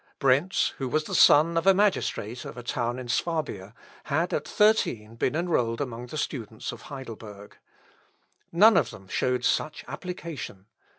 Brentz, who was the son of a magistrate of a town in Swabia, had, at thirteen, been enrolled among the students of Heidelberg. None of them showed such application.